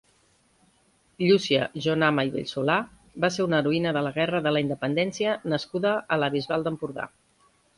Llúcia Jonama i Bellsolà va ser una heroïna de la Guerra de la Independència nascuda a la Bisbal d'Empordà.